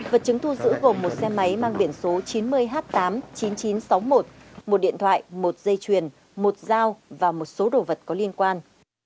vật chứng thu giữ gồm một xe máy mang biển số chín mươi h tám mươi chín nghìn chín trăm sáu mươi một một điện thoại một dây chuyền một dao và một số đồ vật có liên quan